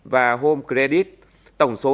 và home credit tổng số